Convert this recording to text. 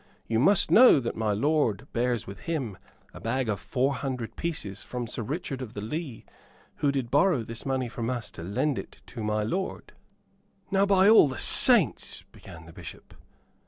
You must know that my lord bears with him a bag of four hundred pieces from Sir Richard of the Lee, who did borrow this money from us to lend it to my lord." "Now, by all the saints " began the Bishop.